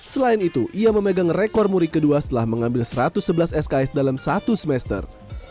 selain itu ia memegang rekor muri kedua setelah mengambil satu ratus sebelas sks dalam satu semester